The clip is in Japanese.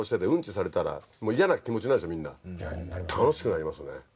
楽しくなりますね